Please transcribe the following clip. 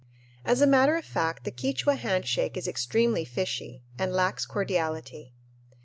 As a matter of fact the Quichua handshake is extremely fishy and lacks cordiality.